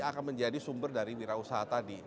akan menjadi sumber dari wirausaha tadi